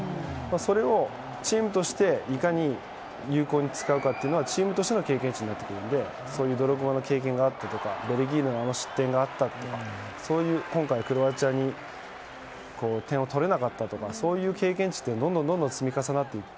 それを、チームとしていかに有効に使うかはチームとしての経験値になってくるのでそういうドログバの経験があってとかベルギーのあの失点があってとか今回はクロアチアに対して点を取れなかったとかそういう経験値ってどんどん積み重なっていって。